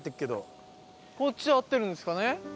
こっちは合ってるんですかね？